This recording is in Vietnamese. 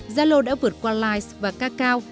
zalo đã vượt qua lies và kakao